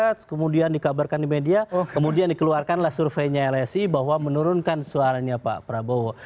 karena itu aku tahu itu adalah kasusnya itu ratnasar iv kemudian dikabarkan di media kemudian dikeluarkan surveinya lsi bahwa menurunkan suaranya pak prabowo